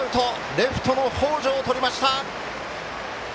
レフトの北條とりました！